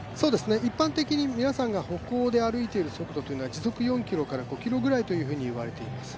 一般的に皆さんが歩行で歩いている速度というのは時速４５キロと言われています。